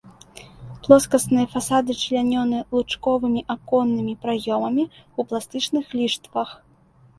Плоскасныя фасады члянёны лучковымі аконнымі праёмамі ў пластычных ліштвах.